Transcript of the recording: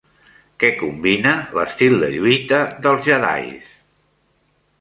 Què combina l'estil de lluita dels jedis?